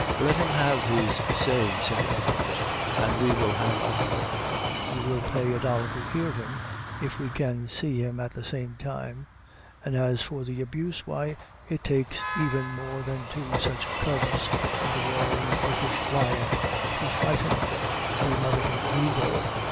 "Let him have his say," said others, "and we will have our look. We will pay a dollar to hear him, if we can see him at the same time; and as for the abuse, why, it takes even more than two such cubs of the roaring British Lion to frighten the American Eagle.